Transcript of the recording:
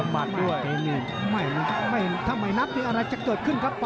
ไม่เห็นถ้าไม่นับอะไรจะเกิดขึ้นครับ